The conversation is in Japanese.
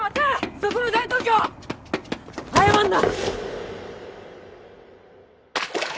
そこの大東京早まんな！